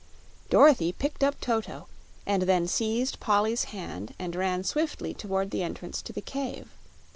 Dorothy picked up Toto and then seized Polly's hand and ran swiftly toward the entrance to the cave.